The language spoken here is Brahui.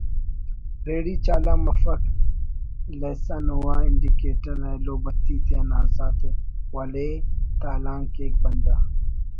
ریڑی چالان مفک لَیسَنْ و انڈیکیٹر ایلو بتی تیان آزات ءِ ولے تالان کیک بندغ